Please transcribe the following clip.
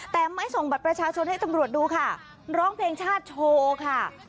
แต่ไม่ส่งบัตรประชาชนให้ตำรวจดูค่ะร้องเพลงชาติโชว์ค่ะ